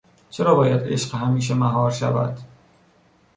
چرا باید عشق همیشه مهار شود؟